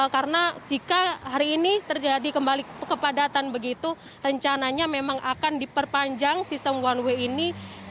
karena jika hari ini terjadi kembali kepadatan begitu rencananya memang akan diperpanjang sistem one way ini